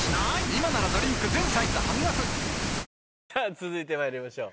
続いてまいりましょう。